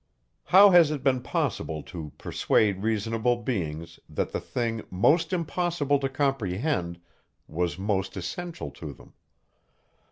How has it been possible to persuade reasonable beings, that the thing, most impossible to comprehend, was most essential to them?